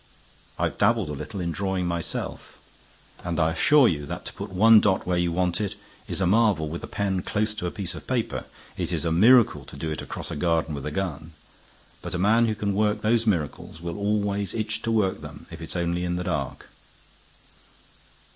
I've dabbled a little in drawing myself, and I assure you that to put one dot where you want it is a marvel with a pen close to a piece of paper. It was a miracle to do it across a garden with a gun. But a man who can work those miracles will always itch to work them, if it's only in the dark."